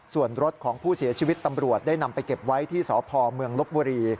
ส่วนรถของผู้เสียชีวิตตำรวจได้นำไปเก็บไว้ที่สพเมืองลบบุรี